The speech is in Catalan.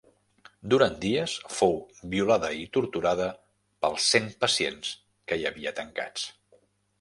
Durant dies fou violada i torturada pels cent pacients que hi havia tancats.